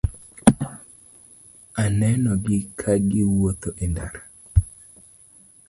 Anenogi kagi wuotho e ndara.